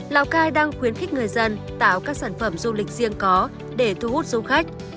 lào cai đang khuyến khích người dân tạo các sản phẩm du lịch riêng có để thu hút du khách